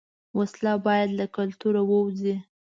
وسله باید له کلتوره ووځي